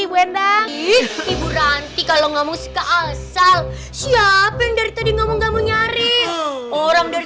bu rendang ibu ranti kalau nggak mau suka asal siapa yang dari tadi ngomong nyari orang dari